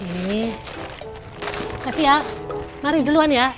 makasih ya mari duluan ya